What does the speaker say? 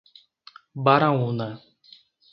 Baraúna